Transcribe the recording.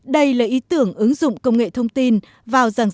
đây là ý tưởng ứng dụng công nghệ thông tin vào giảng dạy